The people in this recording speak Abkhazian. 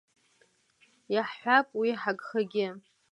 Иаҳҳәап уи ҳагхагьы…